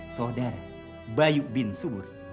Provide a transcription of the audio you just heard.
saudara bayu bin subur